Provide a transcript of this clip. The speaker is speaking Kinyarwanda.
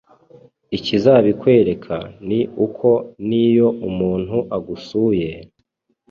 Ikizabikwereka ni uko niyo umuntu agusuye